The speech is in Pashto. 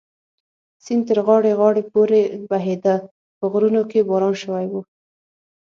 سیند تر غاړې غاړې پورې بهېده، په غرونو کې باران شوی و.